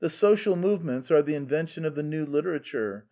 Social currents are the invention of modern literature.